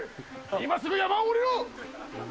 今すぐ山を下りろ！